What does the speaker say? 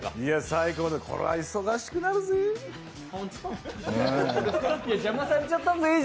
最高だ、これは忙しくなるぜえ？